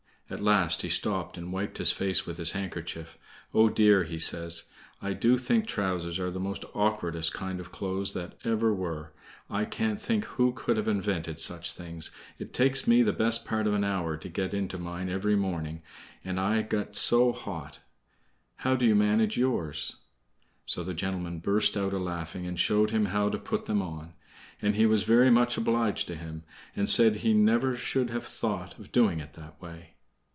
At last he stopped and wiped his face with his handkerchief. "Oh, dear," he says, "I do think trousers are the most awkwardest kind of clothes that ever were. I can't think who could have invented such things. It takes me the best part of an hour to get into mine every morning, and I get so hot! How do you manage yours?" So the gentleman burst out a laughing, and showed him how to put them on; and he was very much obliged to him, and said he never should have thought of doing it that way.